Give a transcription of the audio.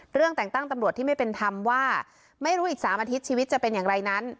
เรื่องแต่งตั้งตำรวจที่ไม่เป็นธรรมว่าไม่รู้อีก๓อาทิตย์ชีวิตจะเป็นอย่างไรนั้น